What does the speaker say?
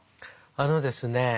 あのですね